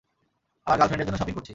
আমার গার্লফ্রেন্ডের জন্য শপিং করছি।